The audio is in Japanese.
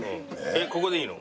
ここでいいの？